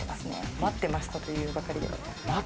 待ってましたと言うばかりで。